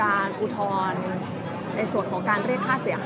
และที่อยู่ด้านหลังคุณยิ่งรักนะคะก็คือนางสาวคัตยาสวัสดีผลนะคะ